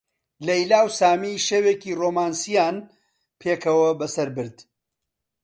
لەیلا و سامی شەوێکی ڕۆمانسییان پێکەوە بەسەر برد.